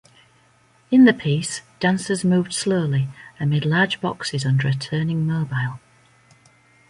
In the piece, dancers moved slowly amid large boxes under a turning mobile.